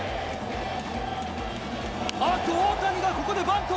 あっと、大谷がここでバント！